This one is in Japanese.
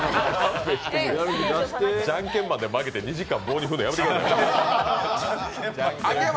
「ジャンケンマン」で負けて２時間棒に振るのやめてください。